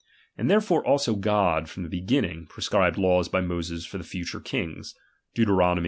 And therefore I also God, from the beginning, prescribed laws by I Moses for the future kings (Dent.